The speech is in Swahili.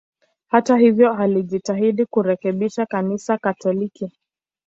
Hata hivyo, alijitahidi kurekebisha Kanisa Katoliki.